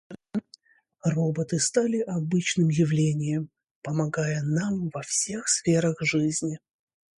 Роботы стали обычным явлением, помогая нам во всех сферах жизни.